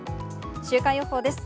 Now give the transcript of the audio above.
週間予報です。